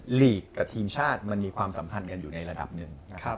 ลีกกับทีมชาติมันมีความสัมพันธ์กันอยู่ในระดับหนึ่งนะครับ